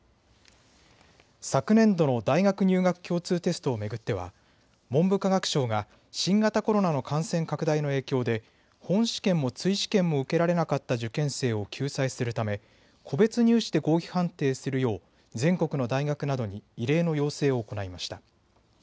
昨年度の大学入学共通テストを巡っては文部科学省が新型コロナの感染拡大の影響で本試験も追試験も受けられなかった受験生を救済するため個別入試で合否判定するよう全国の大学などに異例の要請を行いました。